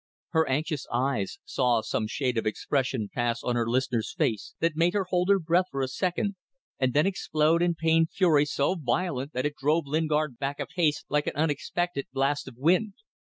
." Her anxious eyes saw some shade of expression pass on her listener's face that made her hold her breath for a second, and then explode into pained fury so violent that it drove Lingard back a pace, like an unexpected blast of wind.